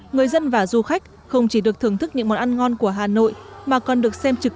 người dân và du khách không chỉ được thưởng thức những món ăn ngon của hà nội mà còn được xem trực